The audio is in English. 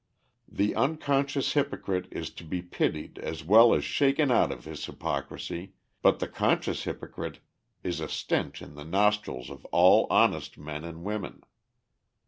The unconscious hypocrite is to be pitied as well as shaken out of his hypocrisy, but the conscious hypocrite is a stench in the nostrils of all honest men and women.